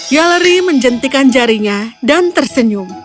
yaleri menjentikan jarinya dan tersenyum